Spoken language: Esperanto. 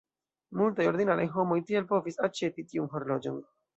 Multaj 'ordinaraj homoj' tial povis aĉeti tiun horloĝon.